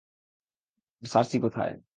আর Cersei কোথায়?